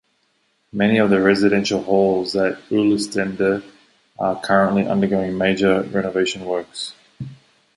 Many of the residential halls at Uilenstede are currently undergoing major renovation works.